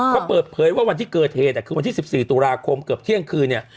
เขาเปิดเผยว่าวันที่เกิดเหตุคือวันที่๑๔ตุลาคมเกือบเที่ยงคืนเนี่ย